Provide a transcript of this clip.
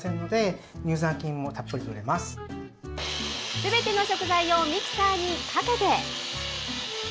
すべての食材をミキサーにかけて。